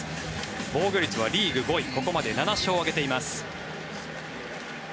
防御率はリーグ５位ここまで７勝を挙げています。